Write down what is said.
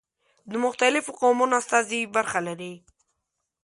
د مختلفو قومونو استازي برخه ولري.